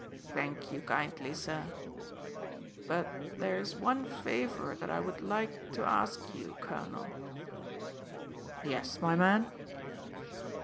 "Thank ye kindly, sir. But there's one favour that I would like to ask you, colonel." "Yes, my man."